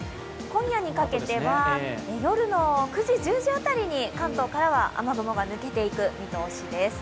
今夜にかけては夜の９時、１０時あたりに関東から雨雲が抜けていく見通しです。